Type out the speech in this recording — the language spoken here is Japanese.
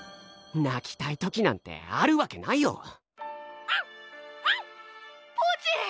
泣きたい時なんてあるわけないよ！